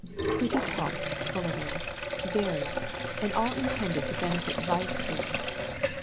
"Pretty talk, Fullaway very, and all intended to benefit Weiss there.